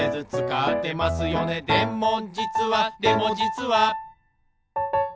「でもじつはでもじつは」